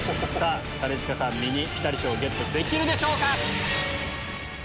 兼近さんミニピタリ賞ゲットできるでしょうか